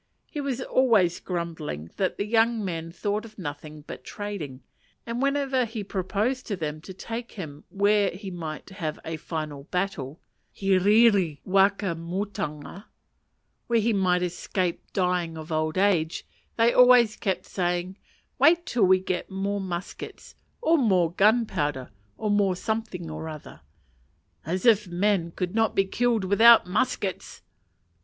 He was always grumbling that the young men thought of nothing but trading; and whenever he proposed to them to take him where he might have a final battle (he riri wakamutunga), where he might escape dying of old age, they always kept saying, "Wait till we get more muskets," or "more gunpowder," or more something or another: "as if men could not be killed without muskets!"